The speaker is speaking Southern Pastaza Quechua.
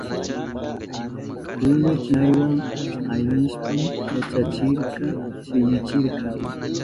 Julio piñaywa aynishpan yachachikta piñachirka.